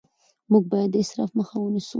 موږ باید د اسراف مخه ونیسو